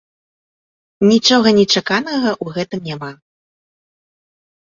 Нічога нечаканага ў гэтым няма.